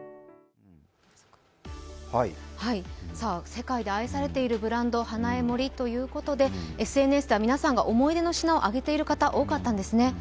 世界で愛されているブランド、ＨＡＮＡＥＭＯＲＩということでＳＮＳでは皆さんが思い出の品を挙げている方、多かったんですね。